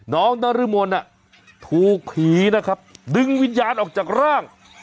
น้องนรมนท์น่ะถูกผีนะครับดึงวิญญาณออกจากร่าง